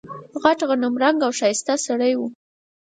غټ غنم رنګه او ښایسته سړی و.